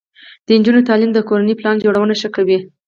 د نجونو تعلیم د کورنۍ پلان جوړونه ښه کوي.